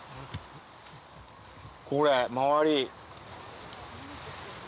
これ周り。